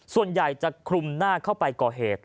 ส่วนใหญ่จะคลุมหน้าเข้าไปก่อเหตุ